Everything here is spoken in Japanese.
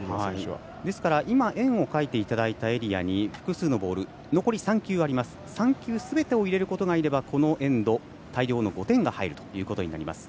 ですから、今、円を描いていただいたエリアに複数のボール残り３球ありますが３球すべてを入れることができればこのエンド、大量の５点が入るということになります。